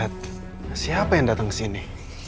alihat siapa yang datang kesini